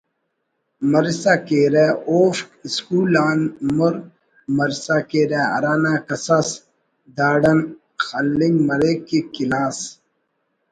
مرسا کیرہ اوفک اسکول آن مر مرسا کیرہ ہرانا کساس داڑان خلنگ مریک کہ کلاس